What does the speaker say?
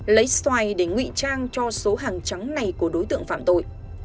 lấy xoài để ngụy trang cho số hàng trắng này của đối tượng phạm tội